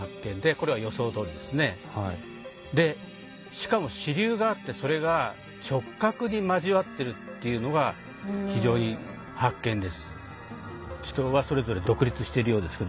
しかも支流があってそれが直角に交わってるっていうのが非常に発見です。